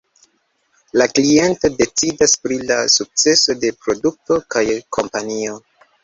La kliento decidas pri la sukceso de produkto kaj kompanio.